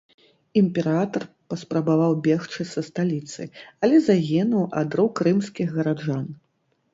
Імператар паспрабаваў бегчы са сталіцы, але загінуў ад рук рымскіх гараджан.